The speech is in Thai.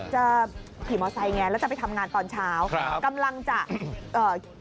จะขี่มอไซค์ไงแล้วจะไปทำงานตอนเช้าครับกำลังจะเอ่อ